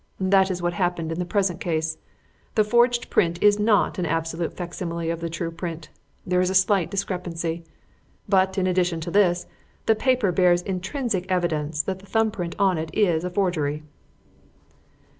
That is what has happened in the present case. The forged print is not an absolute facsimile of the true print. There is a slight discrepancy. But, in addition to this, the paper bears intrinsic evidence that the thumb print on it is a forgery."